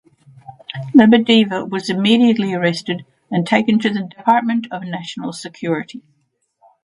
Lebedeva was immediately arrested and taken to the Department of National Security.